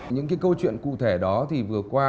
những cái câu chuyện cụ thể đó thì vừa qua